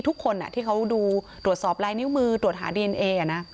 ทุกคนที่เขาดูตรวจสอบลายนิ้วมือตรวจหาดีเอนเอนะ